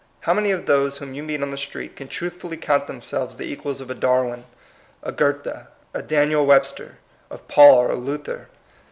How many of those whom you meet on the street can truthfully count themselves the equals of a Darwin, a Goethe, a Daniel Webster, of Paul or Luther?